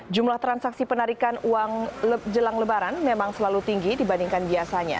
jumlah transaksi penarikan uang jelang lebaran memang selalu tinggi dibandingkan biasanya